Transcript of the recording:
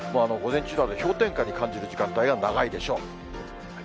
午前中、氷点下に感じる時間帯が長いでしょう。